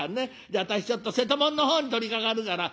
じゃあ私ちょっと瀬戸物の方に取りかかるから」。